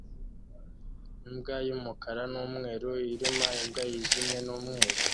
Imbwa y'umukara n'umweru iruma imbwa yijimye n'umweru